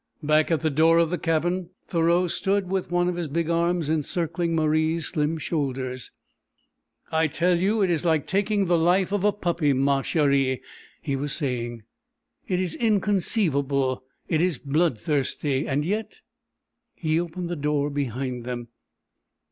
Back at the door of the cabin Thoreau stood with one of his big arms encircling Marie's slim shoulders. "I tell you it is like taking the life of a puppy, ma cherie," he was saying. "It is inconceivable. It is bloodthirsty. And yet...." He opened the door behind them.